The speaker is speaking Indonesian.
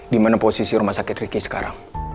dimana posisi rumah sakit ricky sekarang